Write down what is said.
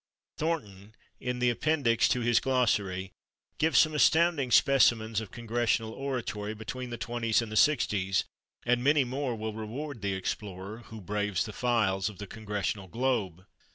Thornton, in the appendix to his Glossary, gives some astounding specimens of congressional oratory between the 20's and 60's, and many more will reward the explorer who braves the files of the /Congressional Globe